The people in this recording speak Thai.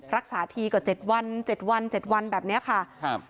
รักษาทีกว่าเจ็ดวันเจ็ดวันเจ็ดวันแบบนี้ค่ะครับ